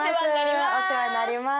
お世話になります。